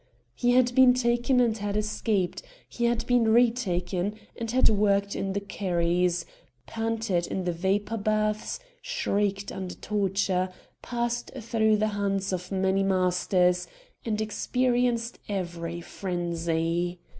He had been taken and had escaped; he had been retaken, and had worked in the quarries, panted in the vapour baths, shrieked under torture, passed through the hands of many masters, and experienced every frenzy.